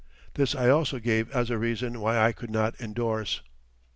This I also gave as a reason why I could not endorse.